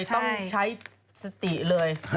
ต้องใช้สติเลย